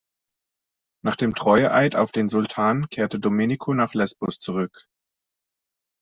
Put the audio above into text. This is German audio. Nach dem Treueeid auf den Sultan kehrte Domenico nach Lesbos zurück.